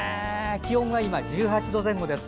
気温が今１８度前後です。